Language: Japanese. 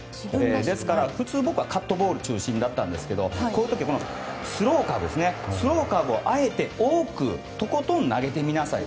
ですから普通、僕はカットボール中心だったんですがこういう時はスローカーブをあえて多くとことん投げてみなさい。